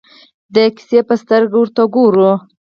د کیسې په سترګه ورته ګورو.